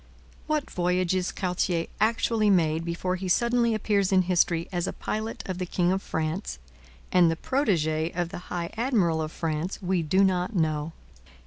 What voyages Cartier actually made before he suddenly appears in history as a pilot of the king of France and the protege of the high admiral of France we do not know.